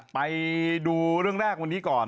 ไปดูเรื่องแรกวันนี้ก่อน